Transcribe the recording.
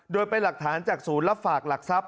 โดยเป็นหลักฐานจากศูนย์รับฝากหลักทรัพย